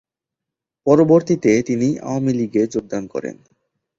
পরবর্তীতে তিনি আওয়ামী লীগে যোগদান করেন।